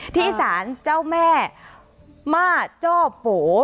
ที่สารเจ้าแม่ม่าเจ้าโผล่